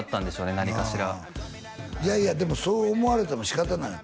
何かしらいやいやでもそう思われても仕方ないよ